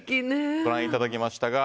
ご覧いただきました。